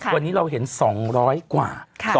วันนี้เราเห็น๒๐๐กว่า